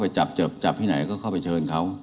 จับจับที่ไหนก็เข้าไปเชิญเขา